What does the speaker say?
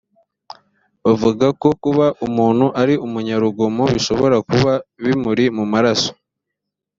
bavuga ko kuba umuntu ari umunyarugomo bishobora kuba bimuri mu maraso